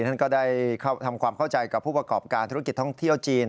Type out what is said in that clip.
ท่านก็ได้ทำความเข้าใจกับผู้ประกอบการธุรกิจท่องเที่ยวจีน